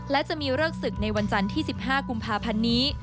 และจะมีเลิกศึกในวันจันทร์ที่๑๕กุมภาพันธ์นี้